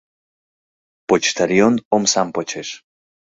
Почтальон омсам почеш.